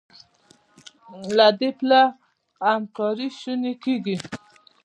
له دې پله همکاري شونې کېږي.